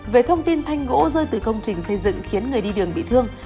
về thông tin thanh gỗ rơi từ công trình xây dựng khiến người đi đường bị thương